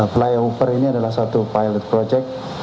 flyover ini adalah satu pilot project